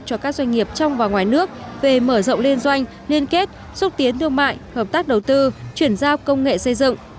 cho các doanh nghiệp trong và ngoài nước về mở rộng liên doanh liên kết xúc tiến thương mại hợp tác đầu tư chuyển giao công nghệ xây dựng